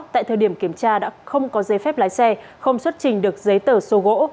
tại thời điểm kiểm tra đã không có giấy phép lái xe không xuất trình được giấy tờ số gỗ